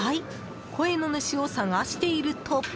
声の主を捜していると。